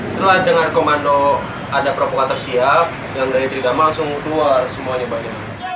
setelah dengar komando ada provokator siap yang dari tridama langsung keluar semuanya